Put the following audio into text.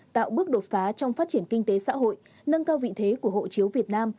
tạo bước đột phá trong phát triển kinh tế xã hội nâng cao vị thế của hộ chiếu việt nam